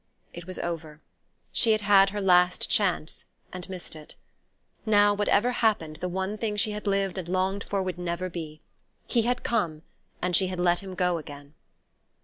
It was over; she had had her last chance and missed it. Now, whatever happened, the one thing she had lived and longed for would never be. He had come, and she had let him go again....